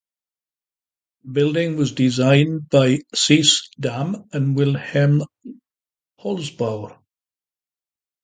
The building was designed by Cees Dam and Wilhelm Holzbauer.